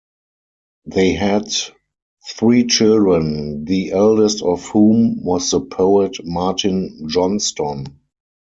They had three children, the eldest of whom was the poet Martin Johnston.